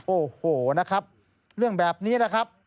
โอ้โหนะครับเรื่องแบบนี้นะครับ